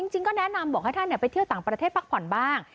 จริงก็แนะนำบอกให้ท่านไปเที่ยวต่างประเทศพักผ่อนบ้าง